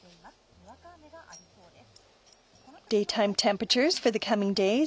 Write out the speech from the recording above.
にわか雨がありそうです。